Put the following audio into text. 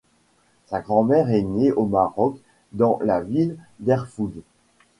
Sa grand-mère est née au Maroc dans la ville d’Erfoud.